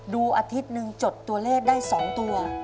อาทิตย์หนึ่งจดตัวเลขได้๒ตัว